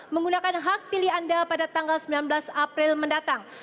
menggunakan hak pilih anda pada tanggal sembilan belas april mendatang